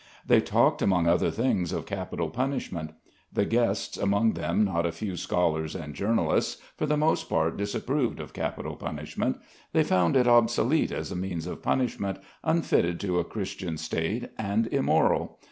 They talked among other things of capital punishment. The guests, among them not a few scholars and journalists, for the most part disapproved of capital punishment. They found it obsolete as a means of punishment, unfitted to a Christian State and immoral.